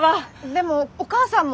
でもお母さんも。